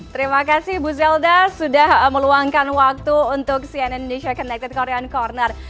terima kasih bu zelda sudah meluangkan waktu untuk cnn indonesia connected korean corner